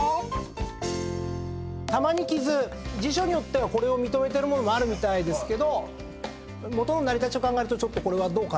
「玉に瑕」辞書によってはこれを認めてるものもあるみたいですけど成り立ちを考えるとこれはどうかなと。